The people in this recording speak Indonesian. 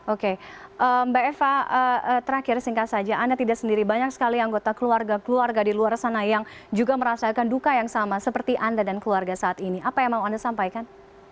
oke mbak eva terakhir singkat saja anda tidak sendiri banyak sekali anggota keluarga keluarga di luar sana yang juga merasakan duka yang sama seperti anda dan keluarga saat ini apa yang mau anda sampaikan